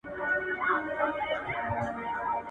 زه بايد سبا ته فکر وکړم؟